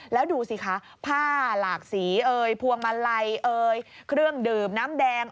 แล้วดูสิคะผ้าหลากสีพวงมันไลเครื่องดื่มน้ำแดง